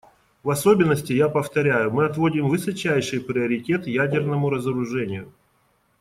В особенности, я повторяю, мы отводим высочайший приоритет ядерному разоружению.